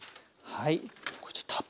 はい。